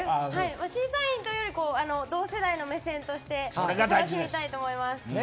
審査員という同世代の目線として楽しみたいと思います。